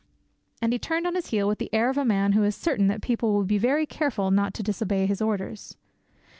And he turned on his heel with the air of a man who is certain that people will be very careful not to disobey his orders.